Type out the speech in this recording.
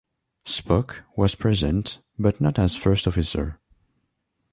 Spock was present, but not as First Officer.